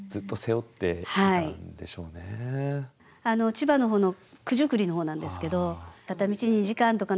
千葉の方の九十九里の方なんですけど片道２時間とかね